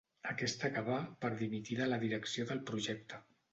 Aquest acabà per dimitir de la direcció del projecte.